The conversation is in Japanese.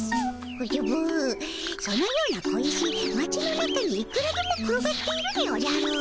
おじゃぶそのような小石町の中にいくらでも転がっているでおじゃる。